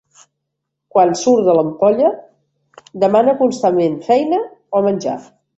Quan surt de l'ampolla, demana constantment feina o menjar.